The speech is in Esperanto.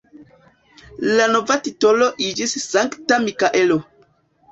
La nova titolo iĝis Sankta Mikaelo.